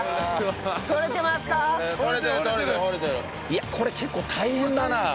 いやこれ結構大変だなあ。